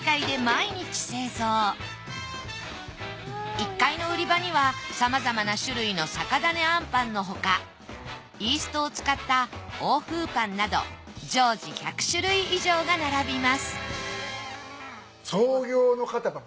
１階の売り場にはさまざまな種類の酒種あんぱんのほかイーストを使った欧風パンなど常時１００種類以上が並びます